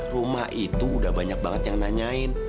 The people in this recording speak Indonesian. rumah itu udah banyak banget yang nanyain